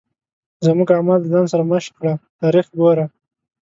زموږ اعمال د ځان سرمشق کړه تاریخ ګوره.